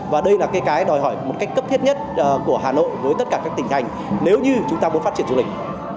và đây là cái đòi hỏi một cách cấp thiết nhất của hà nội với tất cả các tỉnh thành nếu như chúng ta muốn phát triển du lịch